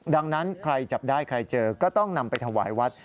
ดังนั้นใครจับได้ใครเจอก็ต้องนำไปถวายวัด